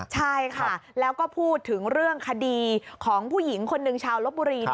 ใช่ค่ะแล้วก็พูดถึงเรื่องคดีของผู้หญิงคนหนึ่งชาวลบบุรี